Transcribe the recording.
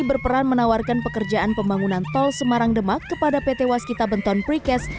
berperan menawarkan pekerjaan pembangunan tol semarang demak kepada pt waskita beton prikes